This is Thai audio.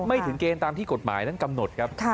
ไม่ถึงเกณฑ์ตามที่กฎหมายนั้นกำหนดครับ